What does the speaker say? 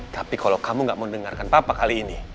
tapi kalau kamu gak mau dengarkan papa kali ini